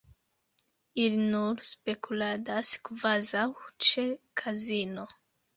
Ili nur spekuladas kvazaŭ ĉe kazino.